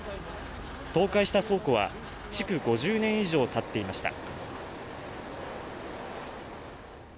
倒壊した倉庫は築５０年以上たっていました